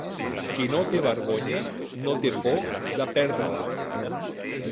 Qui no té vergonya, no té por de perdre-la.